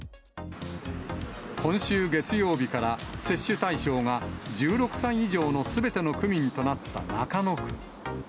今週月曜日から、接種対象が１６歳以上のすべての区民となった中野区。